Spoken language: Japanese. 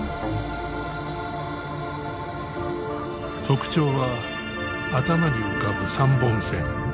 特徴は頭に浮かぶ３本線。